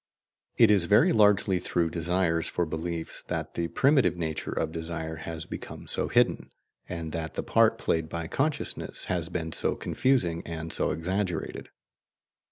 It is very largely through desires for beliefs that the primitive nature of desire has become so hidden, and that the part played by consciousness has been so confusing and so exaggerated.